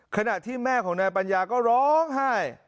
ขณะที่แม่ของนายปัญญาก็ร้องไห้